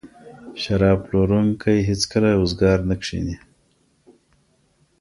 شراب پلورونکی هیڅکله وزګار نه کښیني.